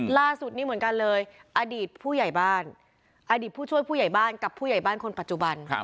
ล่าสุดนี้เหมือนกันเลยอดีตผู้ใหญ่บ้านอดีตผู้ช่วยผู้ใหญ่บ้านกับผู้ใหญ่บ้านคนปัจจุบัน